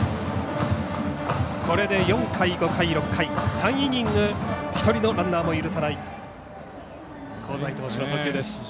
これで４回、５回、６回３イニング１人のランナーも許さない香西投手の投球。